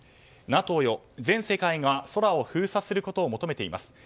ＮＡＴＯよ全世界が空を封鎖することを求めています。